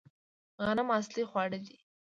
غنم اصلي خواړه دي